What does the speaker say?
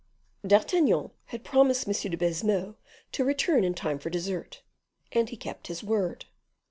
D'Artagnan had promised M. de Baisemeaux to return in time for dessert, and he kept his word.